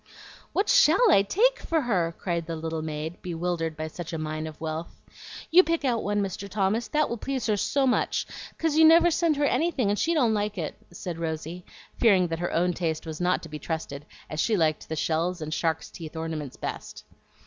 "What SHALL I take for her?" cried the little maid, bewildered by such a mine of wealth. "You pick out one, Mr. Thomas, that will please her so much, 'cause you never send her anything, and she don't like it," said Rosy, fearing that her own taste was not to be trusted, as she liked the shells and shark's teeth ornaments best.